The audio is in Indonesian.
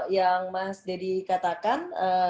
yang mas deddy katakan